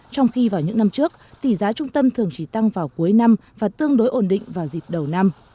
trong khi vào những năm trước tỷ giá trung tâm thường chỉ tăng vào cuối năm và tương đối ổn định vào dịp đầu năm